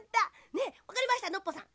ねえわかりましたノッポさん